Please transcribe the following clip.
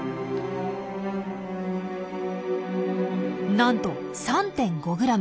なんと３．５ｇ。